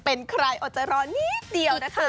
เป็นใครอดใจรอนิดเดียวนะคะ